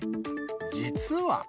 実は。